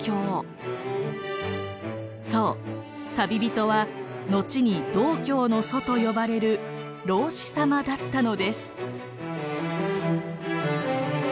そう旅人はのちに道教の祖と呼ばれる老子様だったのです。